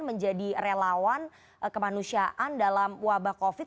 menjadi relawan kemanusiaan dalam wabah covid